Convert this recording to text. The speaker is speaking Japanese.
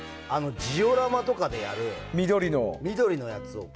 ジオラマとかでやる緑のやつを。